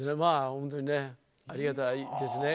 ほんとにねありがたいですね。